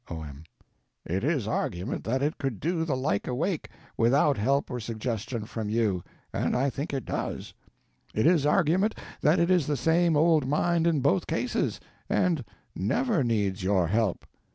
O.M. It is argument that it could do the like awake without help or suggestion from you—and I think it does. It is argument that it is the same old mind in both cases, and never needs your help.